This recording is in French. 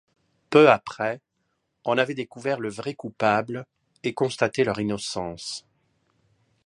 Peu après, on avait découvert le vrai coupable, et constaté leur innocence.